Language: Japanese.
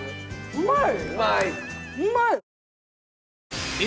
うまい！